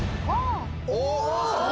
おっ！